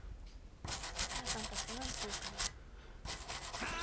お母さんたち何て言うかな？